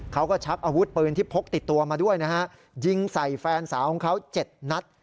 ชักอาวุธปืนที่พกติดตัวมาด้วยนะฮะยิงใส่แฟนสาวของเขา๗นัด